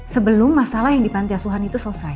sebelum masalah yang di pantiasuhan itu selesai